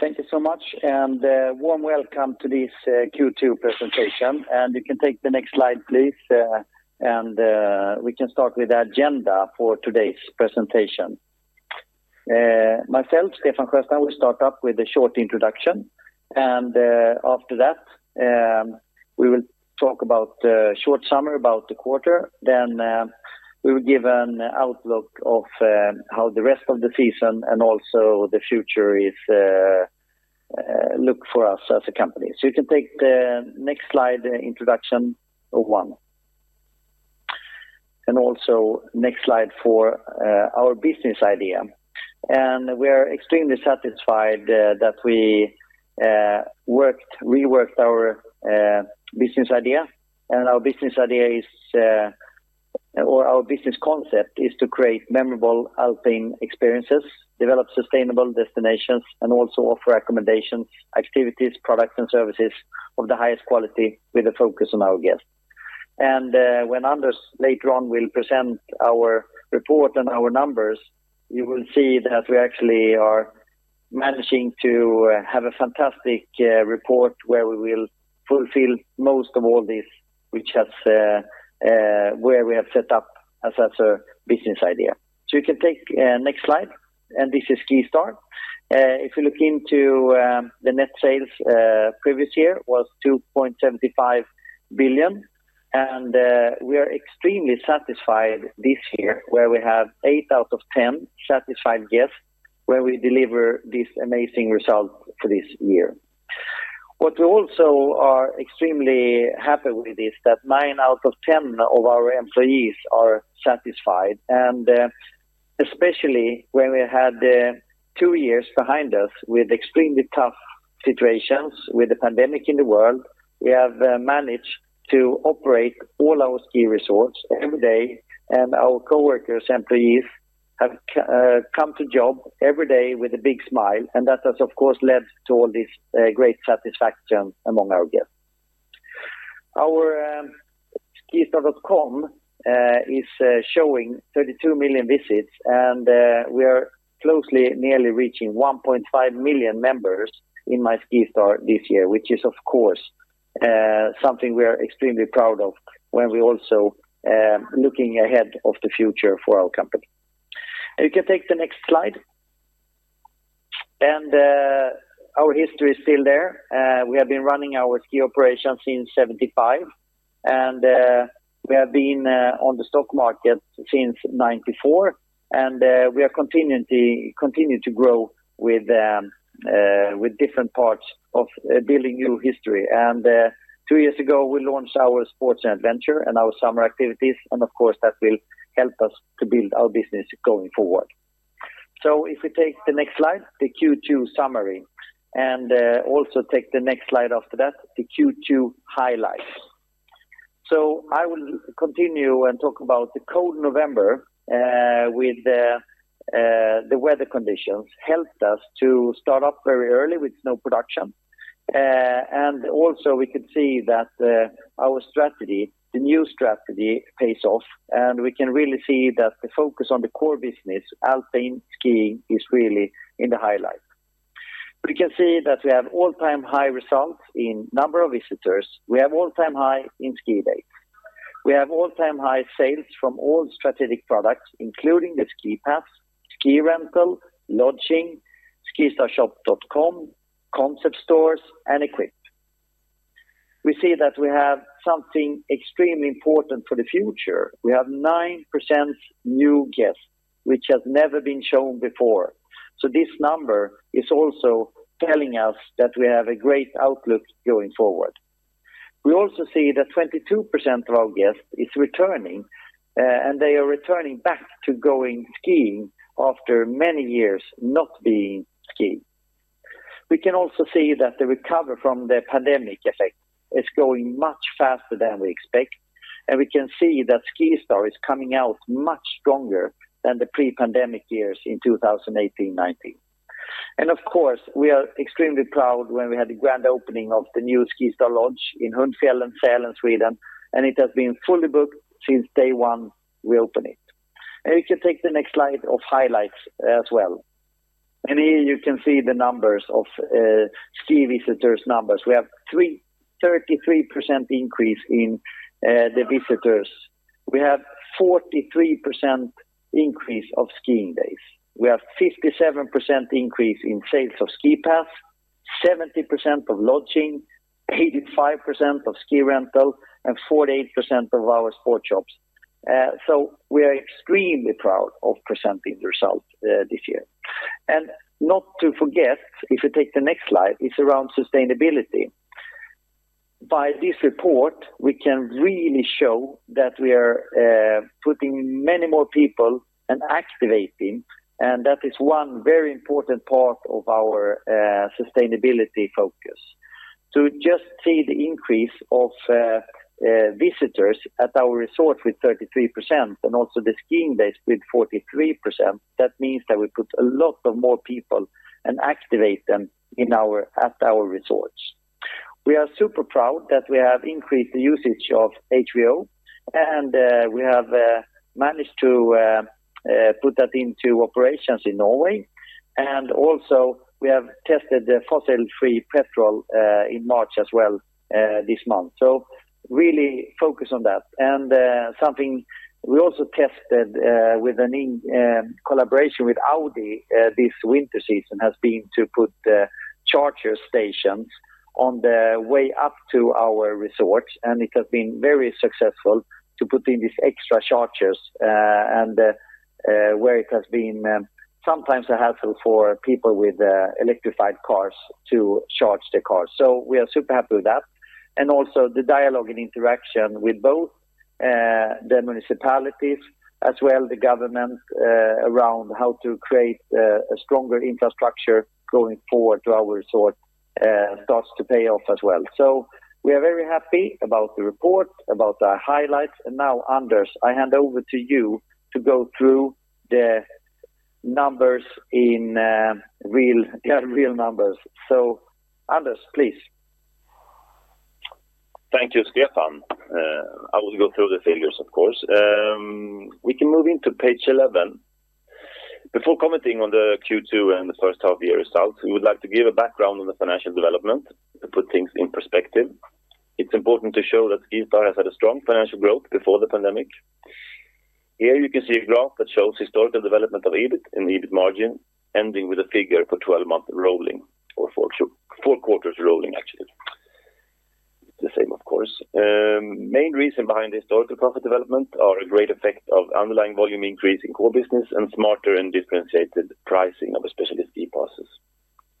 Thank you so much, a warm welcome to this Q2 presentation. You can take the next slide, please. We can start with the agenda for today's presentation. Myself, Stefan Sjöstrand, will start up with a short introduction and after that, we will talk about short summary about the quarter. We will give an outlook of how the rest of the season and also the future is look for us as a company. You can take the next slide, introduction one. Also next slide for our business idea. We are extremely satisfied that we reworked our business idea, and our business idea is or our business concept is to create memorable alpine experiences, develop sustainable destinations and also offer accommodations, activities, products and services of the highest quality with a focus on our guests. When Anders later on will present our report and our numbers, you will see that we actually are managing to have a fantastic report where we will fulfill most of all this, which has where we have set up as a business idea. You can take next slide, and this is SkiStar. If you look into the net sales, previous year was 2.75 billion. We are extremely satisfied this year where we have eight out of 10 satisfied guests where we deliver this amazing result for this year. What we also are extremely happy with is that nine out of 10 of our employees are satisfied, especially when we had two years behind us with extremely tough situations with the pandemic in the world. We have managed to operate all our ski resorts every day, and our coworkers, employees have come to job every day with a big smile. That has, of course, led to all this great satisfaction among our guests. Our skistar.com is showing 32 million visits, and we are closely nearly reaching 1.5 million members in My SkiStar this year, which is of course something we are extremely proud of when we're also looking ahead of the future for our company. You can take the next slide. Our history is still there. We have been running our ski operations since 75, and we have been on the stock market since 94. We are continually continue to grow with with different parts of building new history. 2 years ago, we launched our sports and adventure and our summer activities and of course that will help us to build our business going forward. If we take the next slide, the Q2 summary, and also take the next slide after that, the Q2 highlights. I will continue and talk about the cold November, with the weather conditions helped us to start up very early with snow production. And also we could see that our strategy, the new strategy pays off, and we can really see that the focus on the core business, alpine skiing, is really in the highlight. You can see that we have all-time high results in number of visitors. We have all-time high in ski days. We have all-time high sales from all strategic products, including the ski pass, ski rental, lodging, SkiStarshop.com, concept stores and equipment. We see that we have something extremely important for the future. We have 9% new guests, which has never been shown before. This number is also telling us that we have a great outlook going forward. We also see that 22% of our guests is returning, and they are returning back to going skiing after many years not being skiing. We can also see that the recovery from the pandemic effect is going much faster than we expect, and we can see that SkiStar is coming out much stronger than the pre-pandemic years in 2018, 2019. Of course, we are extremely proud when we had the grand opening of the new SkiStar Lodge in Hundfjället, Sälen, Sweden, and it has been fully booked since day one we open it. We can take the next slide of highlights as well. Here you can see the numbers of ski visitors. We have 33% increase in the visitors. We have 43% increase of skiing days. We have 57% increase in sales of ski pass, 70% of lodging, 85% of ski rental, and 48% of our sport shops. We are extremely proud of presenting the results this year. Not to forget, if you take the next slide, it's around sustainability. By this report, we can really show that we are putting many more people and activating, and that is one very important part of our sustainability focus. To just see the increase of visitors at our resort with 33% and also the skiing days with 43%, that means that we put a lot of more people and activate them at our resorts. We are super proud that we have increased the usage of HVO, we have managed to put that into operations in Norway. Also we have tested the fossil-free petrol in March as well, this month. Really focus on that. Something we also tested, with a collaboration with Audi, this winter season has been to put the charger stations on the way up to our resorts, and it has been very successful to put in these extra chargers, and where it has been, sometimes helpful for people with electrified cars to charge their cars. We are super happy with that. Also the dialogue and interaction with both, the municipalities as well the government, around how to create a stronger infrastructure going forward to our resort, starts to pay off as well. We are very happy about the report, about the highlights. Now, Anders, I hand over to you to go through the real numbers. Anders, please. Thank you, Stefan. I will go through the figures, of course. We can move into page 11. Before commenting on the Q2 and the first half year results, we would like to give a background on the financial development to put things in perspective. It's important to show that SkiStar has had a strong financial growth before the pandemic. Here you can see a graph that shows historical development of EBIT and EBIT margin ending with a figure for 12 months rolling or 4 quarters rolling actually. The same of course. Main reason behind historical profit development are a great effect of underlying volume increase in core business and smarter and differentiated pricing of a specialist ski passes.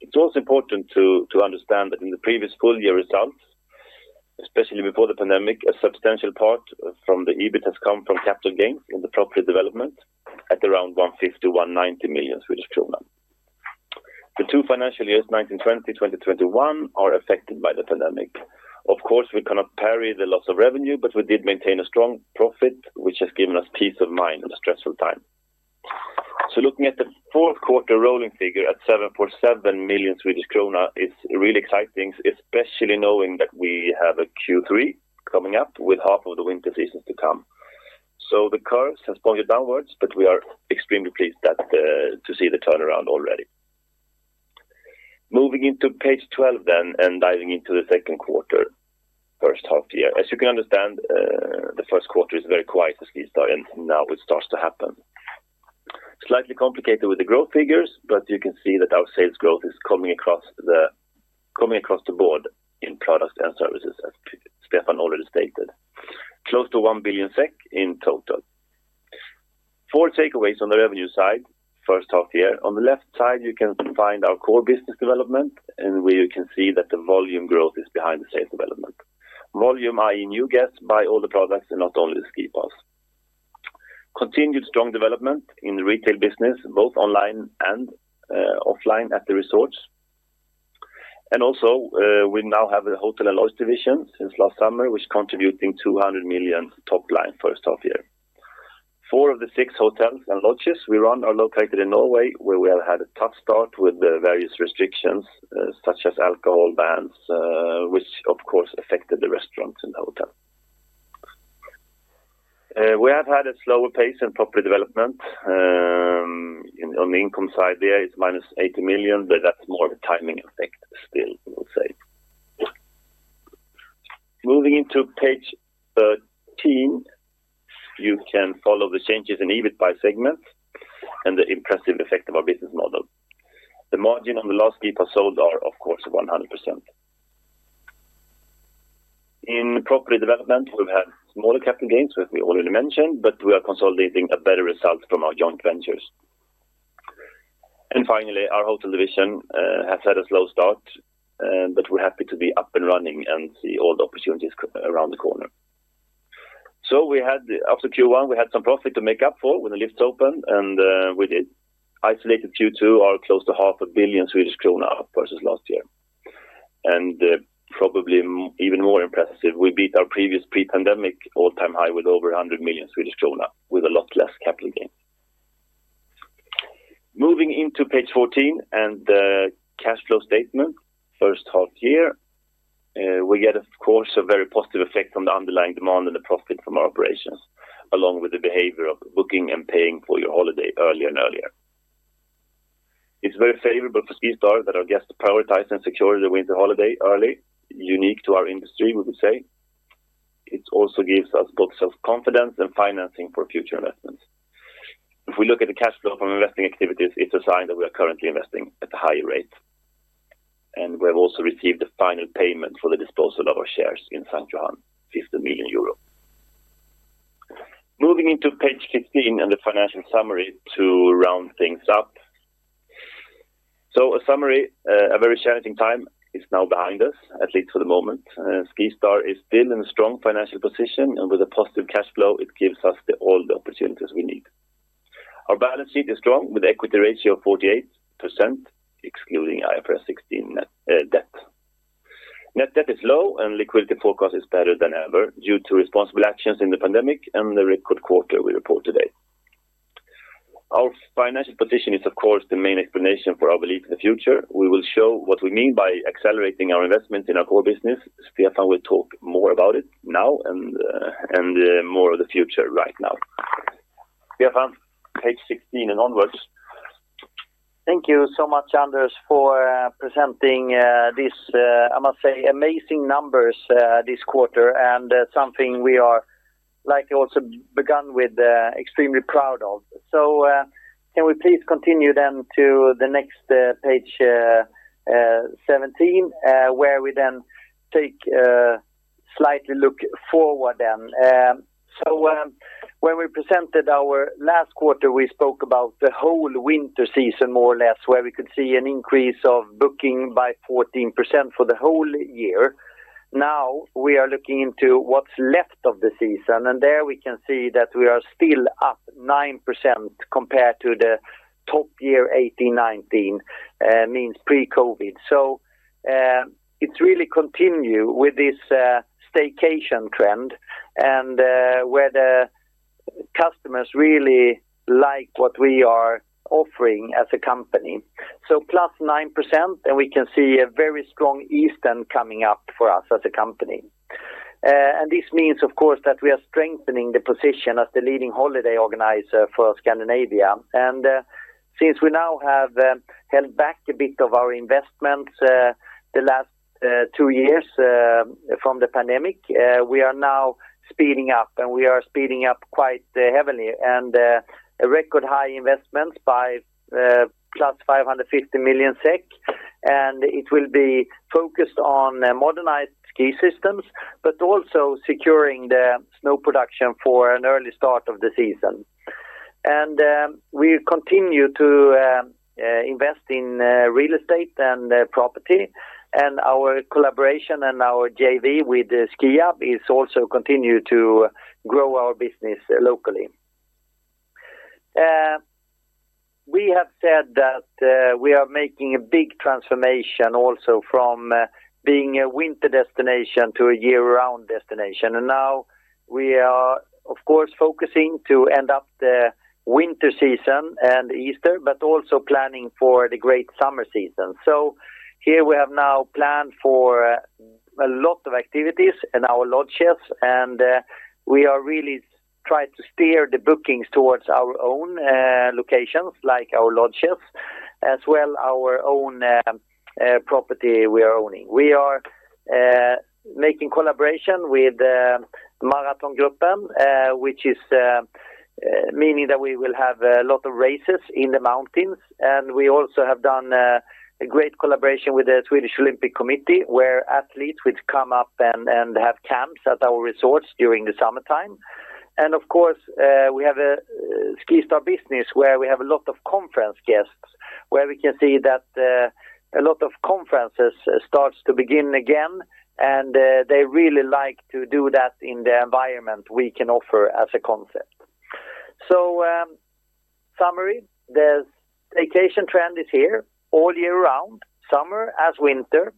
It's also important to understand that in the previous full year results, especially before the pandemic, a substantial part from the EBIT has come from capital gains in the property development at around 150 to 190 million Swedish kronor. The two financial years 2019-2020, 2020-2021 are affected by the pandemic. Of course, we cannot parry the loss of revenue, but we did maintain a strong profit, which has given us peace of mind in a stressful time. Looking at the fourth quarter rolling figure at 7.7 million Swedish krona is really exciting, especially knowing that we have a Q3 coming up with half of the winter season to come. The curves has pointed downwards, but we are extremely pleased that to see the turnaround already. Moving into page 12 then and diving into the second quarter, first half year. As you can understand, the first quarter is very quiet at SkiStar. Now it starts to happen. Slightly complicated with the growth figures, you can see that our sales growth is coming across the board in products and services, as Stefan already stated. Close to 1 billion SEK in total. Four takeaways on the revenue side, first half year. On the left side, you can find our core business development, where you can see that the volume growth is behind the sales development. Volume, i.e., new guests buy all the products and not only the ski pass. Continued strong development in the retail business, both online and offline at the resorts. Also, we now have a hotel and lodge division since last summer, which contributing 200 million top line first half year. Four of the six hotels and lodges we run are located in Norway, where we have had a tough start with the various restrictions, such as alcohol bans, which of course affected the restaurants and the hotel. We have had a slower pace in property development. On the income side there, it's minus 80 million, but that's more of a timing effect still, we'll say. Moving into page 13, you can follow the changes in EBIT by segment and the impressive effect of our business model. The margin on the last ski pass sold are of course 100%. In property development, we've had smaller capital gains, as we already mentioned, but we are consolidating a better result from our joint ventures. Finally, our hotel division has had a slow start, but we're happy to be up and running and see all the opportunities around the corner. After Q1, we had some profit to make up for when the lifts opened, and we did. Isolated Q2 are close to half a billion SEK versus last year. Probably even more impressive, we beat our previous pre-pandemic all-time high with over 100 million Swedish krona with a lot less capital gain. Moving into page 14 and the cash flow statement first half year, we get of course, a very positive effect from the underlying demand and the profit from our operations, along with the behavior of booking and paying for your holiday earlier and earlier. It's very favorable for SkiStar that our guests prioritize and secure their winter holiday early, unique to our industry, we would say. It also gives us both self-confidence and financing for future investments. We have also received the final payment for the disposal of our shares in St. Johann, 50 million euro. Moving into page 15 and the financial summary to round things up. A summary, a very challenging time is now behind us, at least for the moment. SkiStar is still in a strong financial position, and with a positive cash flow, it gives us all the opportunities we need. Our balance sheet is strong with equity ratio of 48%, excluding IFRS 16 net debt. Net debt is low and liquidity forecast is better than ever due to responsible actions in the pandemic and the record quarter we report today. Our financial position is of course the main explanation for our belief in the future. We will show what we mean by accelerating our investment in our core business. Stefan will talk more about it now and more of the future right now. Stefan, page 16 and onwards. Thank you so much, Anders, for presenting, this, I must say, amazing numbers, this quarter, and something we are like also begun with, extremely proud of. Can we please continue then to the next page 17, where we then take a slightly look forward then. When we presented our last quarter, we spoke about the whole winter season, more or less, where we could see an increase of booking by 14% for the whole year. Now we are looking into what's left of the season, and there we can see that we are still up 9% compared to the top year 18-19, means pre-COVID. It's really continue with this staycation trend and where the customers really like what we are offering as a company. Plus 9%, and we can see a very strong Easter coming up for us as a company. This means, of course, that we are strengthening the position as the leading holiday organizer for Scandinavia. Since we now have held back a bit of our investments the last 2 years from the pandemic, we are now speeding up, and we are speeding up quite heavily. A record high investments by +550 million SEK, and it will be focused on modernized ski systems, but also securing the snow production for an early start of the season. We continue to invest in real estate and property. Our collaboration and our JV with Skiab is also continue to grow our business locally. We have said that we are making a big transformation also from being a winter destination to a year-round destination. Now we are, of course, focusing to end up the winter season and Easter, but also planning for the great summer season. Here we have now planned for a lot of activities in our lodges, and we are really trying to steer the bookings towards our own locations, like our lodges, as well our own property we are owning. We are making collaboration with Marathongruppen, which is meaning that we will have a lot of races in the mountains. We also have done a great collaboration with the Swedish Olympic Committee, where athletes would come up and have camps at our resorts during the summertime. Of course, we have a SkiStar business where we have a lot of conference guests, where we can see that a lot of conferences starts to begin again, and they really like to do that in the environment we can offer as a concept. Summary, the staycation trend is here all year round, summer as winter.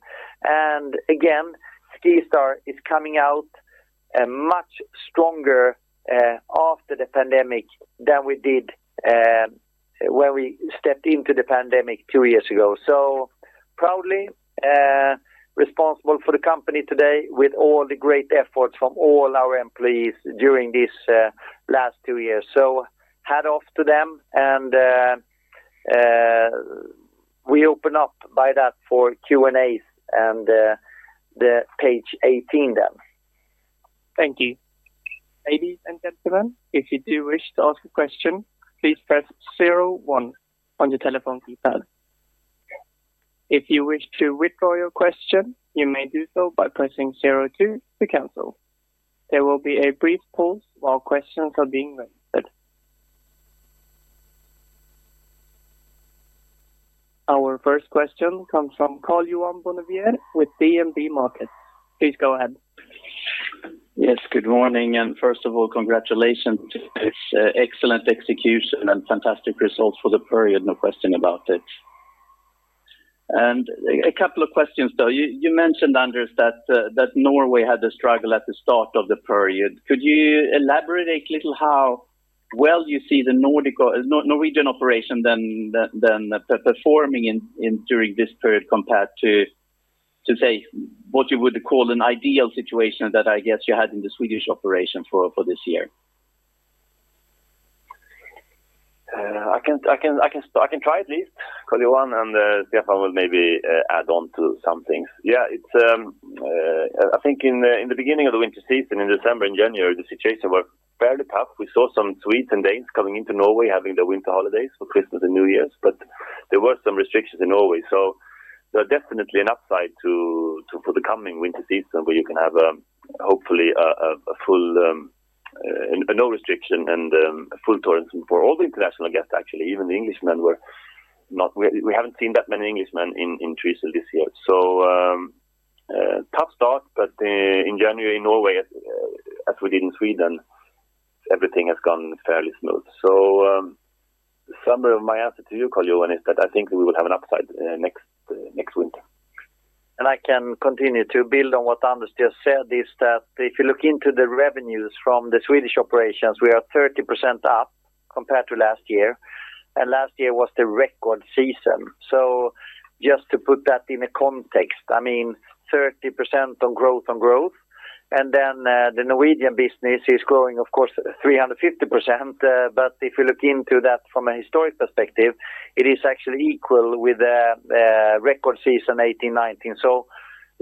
Again, SkiStar is coming out much stronger after the pandemic than we did when we stepped into the pandemic 2 years ago. Proudly responsible for the company today with all the great efforts from all our employees during this last 2 years. Hat off to them and we open up by that for Q&A and the page 18 then. Thank you. Ladies and gentlemen, if you do wish to ask a question, please press zero one on your telephone keypad. If you wish to withdraw your question, you may do so by pressing zero two to cancel. There will be a brief pause while questions are being answered. Our first question comes from Karl-Johan Bonnevier with DNB Markets. Please go ahead. Yes, good morning. First of all, congratulations. It's excellent execution and fantastic results for the period. No question about it. A couple of questions, though. You mentioned, Anders, that Norway had a struggle at the start of the period. Could you elaborate a little how well you see the Norwegian operation then performing in during this period compared to say, what you would call an ideal situation that I guess you had in the Swedish operation for this year? I can try at least, Karl-Johan, Stefan will maybe add on to some things. Yeah. It's, I think in the beginning of the winter season, in December and January, the situation were fairly tough. We saw some Swedes and Danes coming into Norway having their winter holidays for Christmas and New Year's, but there were some restrictions in Norway. There are definitely an upside to for the coming winter season, where you can have hopefully a full no restriction and full tourism for all the international guests, actually, even the Englishmen were not we haven't seen that many Englishmen in Trysil this year. Tough start, but in January in Norway, as as we did in Sweden, everything has gone fairly smooth. Summary of my answer to you, Karl-Johan, is that I think we will have an upside next... next winter. I can continue to build on what Anders just said is that if you look into the revenues from the Swedish operations, we are 30% up compared to last year, and last year was the record season. Just to put that in a context, I mean, 30% of growth on growth. The Norwegian business is growing, of course, 350%. If you look into that from a historic perspective, it is actually equal with the record season 2018-2019.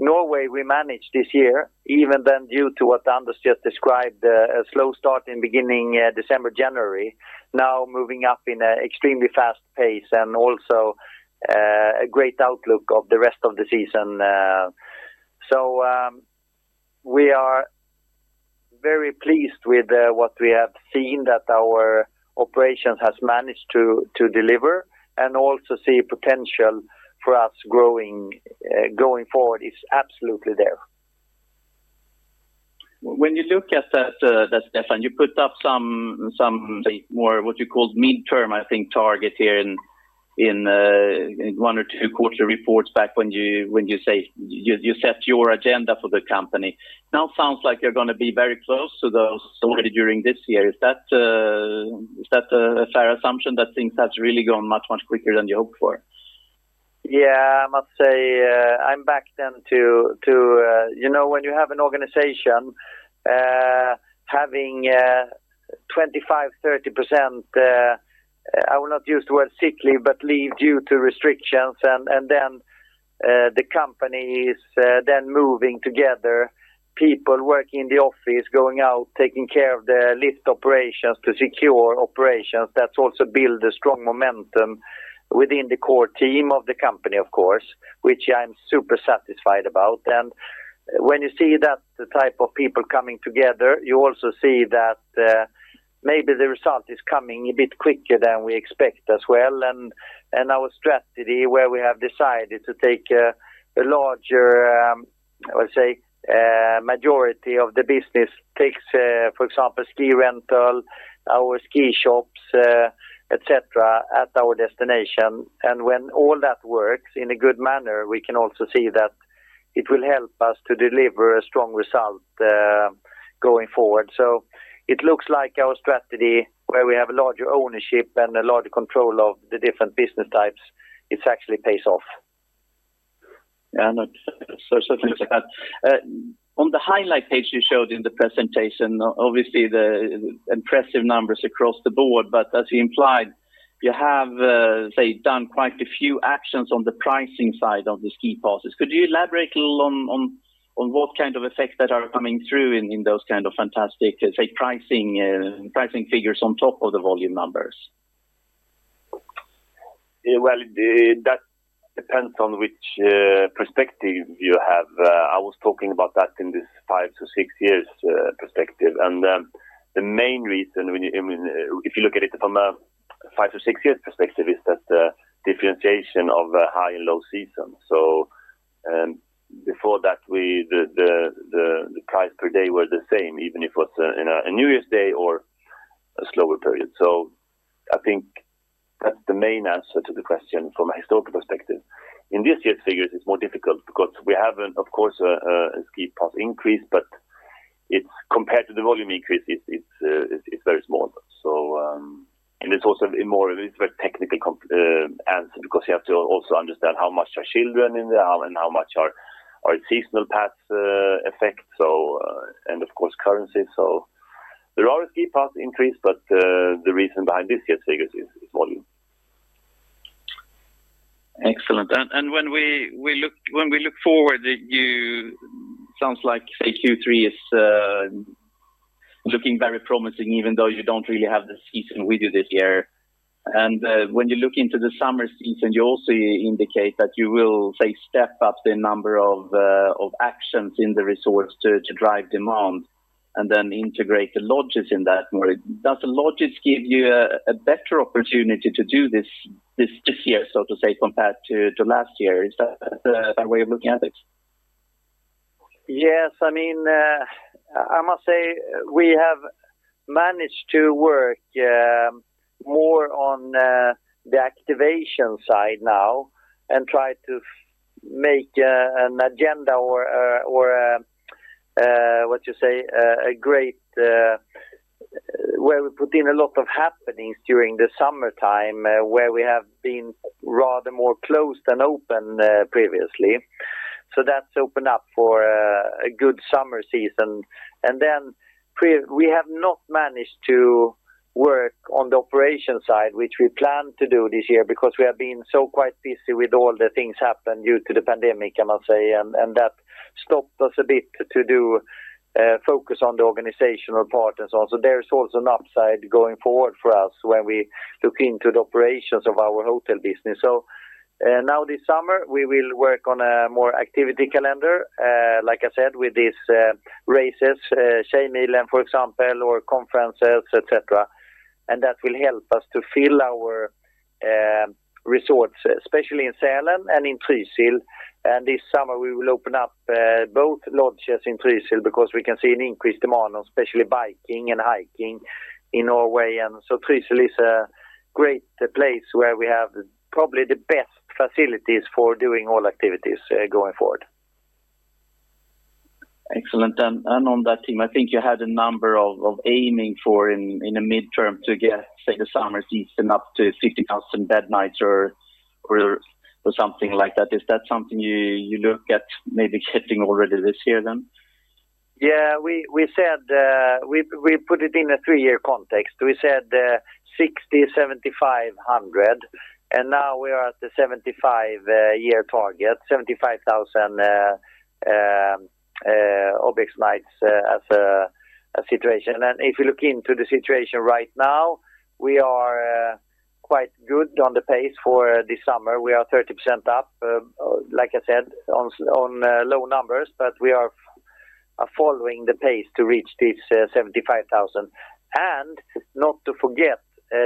Norway, we managed this year, even then due to what Anders just described, a slow start in beginning, December, January. Now moving up in a extremely fast pace and also, a great outlook of the rest of the season. We are very pleased with what we have seen that our operations has managed to deliver and also see potential for us growing going forward is absolutely there. When you look at that's Stefan, you put up some more what you called midterm, I think, target here in one or two quarterly reports back when you say you set your agenda for the company. Now it sounds like you're gonna be very close to those already during this year. Is that, is that a fair assumption that things have really gone much, much quicker than you hoped for? Yeah. I must say, I'm back then to, you know, when you have an organization having 25%, 30% I will not use the word sick leave, but leave due to restrictions. The company is then moving together, people working in the office, going out, taking care of the lift operations to secure operations. That's also build a strong momentum within the core team of the company, of course, which I'm super satisfied about. When you see that type of people coming together, you also see that maybe the result is coming a bit quicker than we expect as well. Our strategy where we have decided to take a larger, I would say, majority of the business takes, for example, ski rental, our ski shops, et cetera, at our destination. When all that works in a good manner, we can also see that it will help us to deliver a strong result going forward. It looks like our strategy where we have larger ownership and a larger control of the different business types, it actually pays off. Yeah. No. Thanks for that. On the highlight page you showed in the presentation, obviously the impressive numbers across the board. As you implied, you have done quite a few actions on the pricing side of the ski passes. Could you elaborate a little on what kind of effects that are coming through in those kinds of fantastic pricing figures on top of the volume numbers? Well, that depends on which perspective you have. I was talking about that in this five to six years perspective. The main reason I mean, if you look at it from a five to six years perspective, is that the differentiation of high and low season. Before that the price per day was the same, even if it was, you know, a New Year's Day or a slower period. I think that's the main answer to the question from a historical perspective. In this year's figures, it's more difficult because we have of course a ski pass increase. It's compared to the volume increase, it's very small. It's also a very technical answer because you have to also understand how much are children in there and how much are seasonal pass effect. Of course currency. There are ski pass increase. The reason behind this year's figures is volume. Excellent. When we look forward, sounds like, say, Q3 is looking very promising, even though you don't really have the season with you this year. When you look into the summer season, you also indicate that you will, say, step up the number of actions in the resorts to drive demand and then integrate the lodges in that more. Does the lodges give you a better opportunity to do this year, so to say, compared to last year? Is that a fair way of looking at it? Yes. I mean, I must say we have managed to work more on the activation side now and try to make an agenda or or what you say, a great where we put in a lot of happenings during the summertime where we have been rather more closed than open previously. That's opened up for a good summer season. Then we have not managed to work on the operation side, which we plan to do this year because we have been so quite busy with all the things happened due to the pandemic, I must say. That stopped us a bit to do focus on the organizational part and so on. There is also an upside going forward for us when we look into the operations of our hotel business. Now this summer we will work on a more activity calendar, like I said, with these races, Tjejmilen for example, or conferences, et cetera. That will help us to fill our resorts, especially in Sälen and in Trysil. This summer we will open up both lodges in Trysil because we can see an increased demand on especially biking and hiking in Norway. Trysil is a great place where we have probably the best facilities for doing all activities going forward. Excellent. On that theme, I think you had a number of aiming for in a midterm to get, say, the summer season up to 50,000 bed nights or something like that. Is that something you look at maybe hitting already this year then? Yeah. We said, we put it in a three-year context. We said 60, 7,500, and now we are at the 75,000-year target Guest nights as a situation. If you look into the situation right now, we are quite good on the pace for the summer. We are 30% up, like I said on low numbers. We are following the pace to reach this 75,000. Not to forget,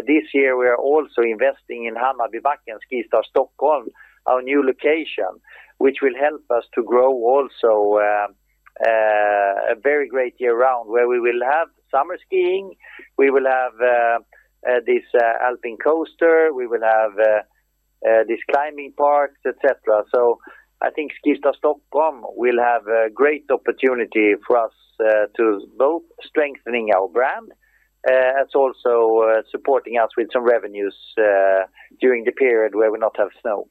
this year we are also investing in Hammarbybacken SkiStar Stockholm, our new location, which will help us to grow also a very great year-round, where we will have summer skiing, we will have this Mountain Coaster, we will have these climbing parks, et cetera. I think SkiStar Stockholm will have a great opportunity for us to both strengthening our brand as also supporting us with some revenues during the period where we not have snow.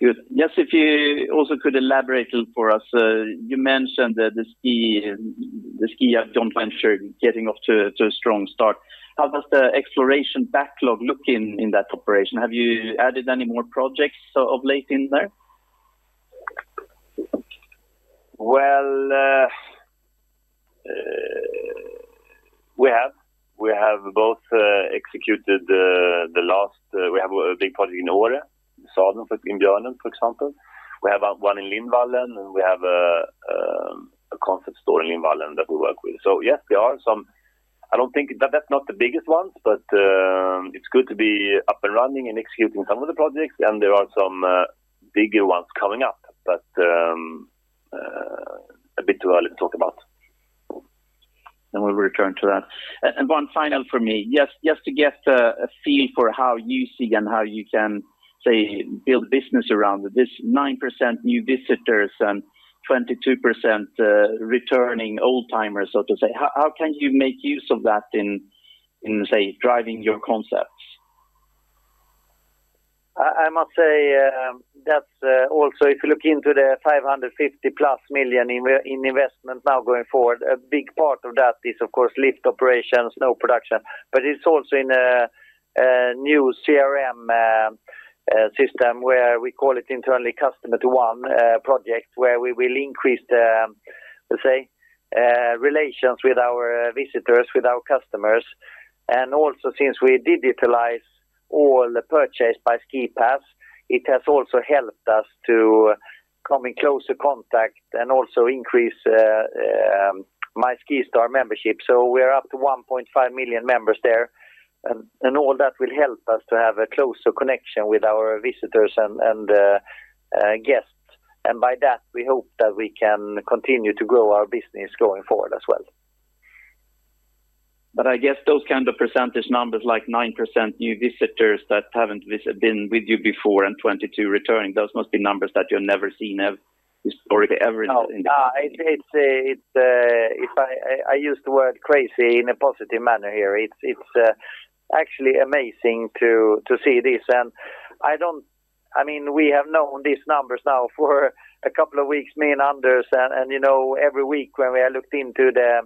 Good. Just if you also could elaborate for us, you mentioned that the Skiab at Södra Fjället getting off to a strong start. How does the exploration backlog look in that operation? Have you added any more projects of late in there? Well, we have. We have both executed. We have a big project in Åre, Sälen in Björnen, for example. We have one in Lindvallen, and we have a concept store in Lindvallen that we work with. Yes, there are some. I don't think that that's not the biggest ones, but it's good to be up and running and executing some of the projects, and there are some bigger ones coming up. A bit too early to talk about. We'll return to that. One final for me. Just to get a feel for how you see and how you can, say, build business around it. This 9% new visitors and 22% returning old timers, so to say. How can you make use of that in, say, driving your concepts? I must say, that also if you look into the 550+ million in investment now going forward, a big part of that is of course lift operations, snow production. It's also in a new CRM system where we call it internally Customer to One project, where we will increase the, let's say, relations with our visitors, with our customers. Also, since we digitalize all the purchase by ski pass, it has also helped us to come in closer contact and also increase my SkiStar membership. We are up to 1.5 million members there. All that will help us to have a closer connection with our visitors and guests. By that, we hope that we can continue to grow our business going forward as well. I guess those kinds of percentage numbers, like 9% new visitors that haven't been with you before and 22 returning, those must be numbers that you've never seen historically ever in the company. No. It's, if I use the word crazy in a positive manner here. It's actually amazing to see this. I mean, we have known these numbers now for a couple of weeks, me and Anders. You know, every week when we have looked into the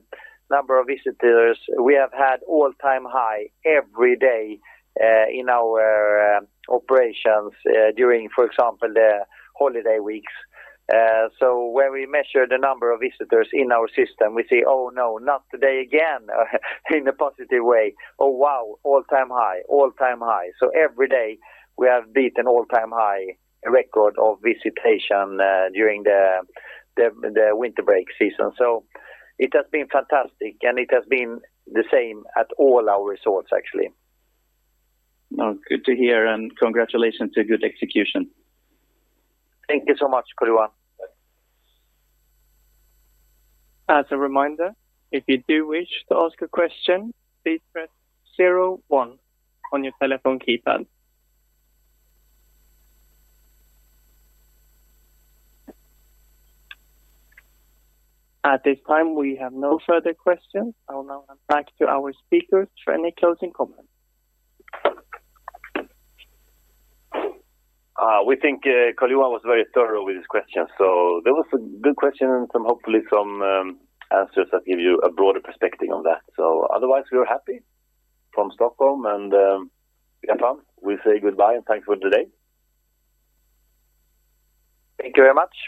number of visitors, we have had all-time high every day in our operations during, for example, the holiday weeks. When we measure the number of visitors in our system, we say, "Oh, no, not today again." In a positive way. "Oh, wow, all-time high, all-time high." Every day, we have beaten all-time high record of visitation during the winter break season. It has been fantastic, and it has been the same at all our resorts actually. No, good to hear, and congratulations to good execution. Thank you so much, Karl-Johan. As a reminder, if you do wish to ask a question, please press zero one on your telephone keypad. At this time, we have no further questions. I will now hand back to our speakers for any closing comments. We think Karl-Johan was very thorough with his questions. There was some good questions and some hopefully some answers that give you a broader perspective on that. Otherwise, we are happy from Stockholm and we have fun. We say goodbye, and thanks for today. Thank you very much.